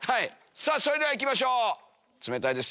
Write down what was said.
それではいきましょう冷たいですよ。